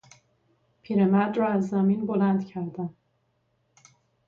پیرمرد را از زمین بلند کردم.